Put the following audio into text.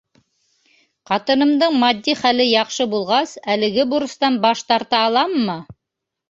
Ҡатынымдың матди хәле яҡшы булғас, әлеге бурыстан баш тарта аламмы?